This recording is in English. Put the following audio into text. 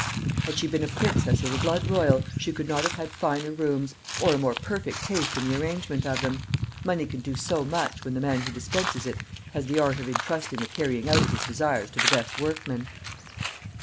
Had she been a princess of the blood royal, she could not have had finer rooms, or a more perfect taste in the arrangement of them. Money can do so much, when the man who dispenses it has the art of intrusting the carrying out of his desires to the best workmen.